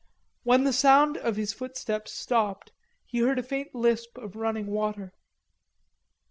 When the sound of his footsteps stopped, he heard a faint lisp of running water.